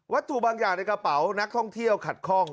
ถูกบางอย่างในกระเป๋านักท่องเที่ยวขัดคล่อง